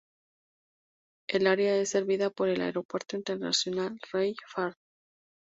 El área es servida por el Aeropuerto Internacional Rey Fahd.